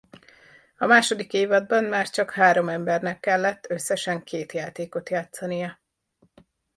A második évadban már csak három embernek kellett összesen két játékot játszania.